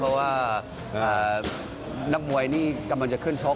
เพราะว่านักมวยนี่กำลังจะขึ้นชก